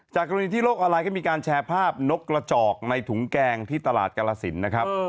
จากรณีที่โลกอาลายก็มีการแชร์ภาพนกระจอกในถุงแกงที่ตลาดกระละศิลป์นะครับ